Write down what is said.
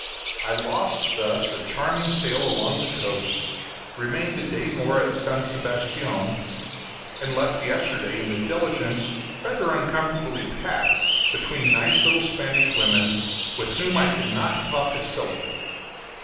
I lost thus a charming sail along the coast, remained a day more at St. Sebastian, and left yesterday in the diligence, rather uncomfortably packed between nice little Spanish women, with whom I could not talk a syllable.